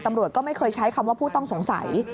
ตำรวจก็ไม่เคยใช้คำว่าผู้ต้องสงสัย